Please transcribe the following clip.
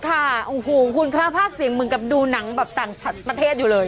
ค่ะโอ้โหคุณคะภาคเสียงเหมือนกับดูหนังแบบต่างประเทศอยู่เลย